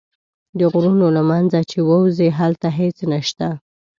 د غرونو له منځه چې ووځې هلته هېڅ نه شته.